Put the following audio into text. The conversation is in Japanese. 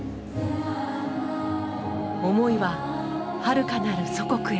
思いははるかなる祖国へ。